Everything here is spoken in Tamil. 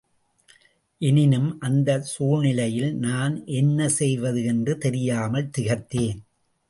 எனினும் அந்தச் சூழ்நிலையில் நான் என்ன செய்வது என்று தெரியாமல் திகைத்தேன்.